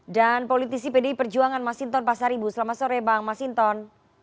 dan politisi pdi perjuangan mas sinton pasar ibu selamat sore bang mas sinton